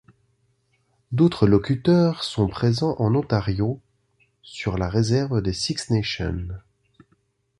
D'autres locuteurs sont présents en Ontario sur la réserve des Six-Nations.